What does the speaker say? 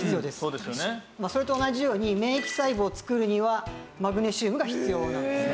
それと同じように免疫細胞を作るにはマグネシウムが必要なんですね。